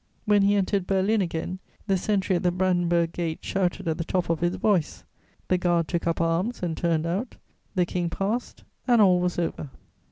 When he entered Berlin again, the sentry at the Brandenburg Gate shouted at the top of his voice; the guard took up arms and turned out; the King passed and all was over.